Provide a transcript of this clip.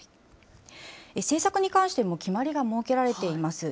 制作に関しても決まりが設けられています。